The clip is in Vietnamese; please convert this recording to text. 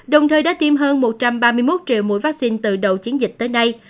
đồng thời đã tiêm hơn một trăm ba mươi một triệu mũi vaccine từ đầu chiến dịch tới nay